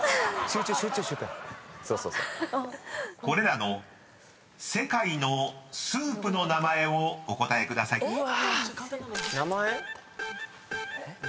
［これらの世界のスープの名前をお答えください］